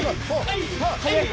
はい！